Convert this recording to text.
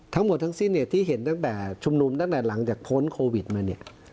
ทั้งหมดทั้งสิ้นเนี่ยที่เห็นตั้งแต่ชุมนุมตั้งแต่หลังจากพ้นโควิดมาเนี่ย